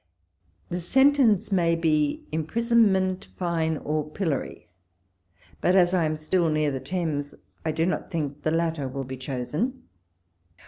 The sentence may be im prisonment, fine, or pillory ; but as I am still near the Thames, I do not think the latter will be chosen.